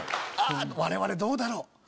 我々どうだろう？